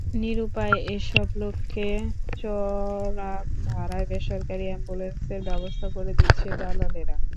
নিরুপায় এসব লোককে চড়া ভাড়ায় বেসরকারি অ্যাম্বুলেন্সের ব্যবস্থা করে দিচ্ছে দালালেরা।